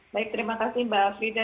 baik terima kasih mbak frida